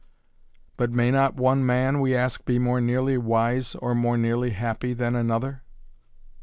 But may not one man we ask be more nearly wise or more nearly happy than another?